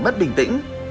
mất bình tĩnh